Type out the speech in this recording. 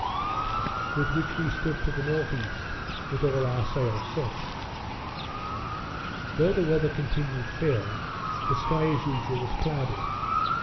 with which we stood to the N.E. with all our sails set. Though the weather continued fair, the sky, as usual, was clouded.